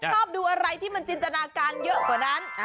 ชอบดูอะไรที่มันจินตนาการเยอะกว่านั้น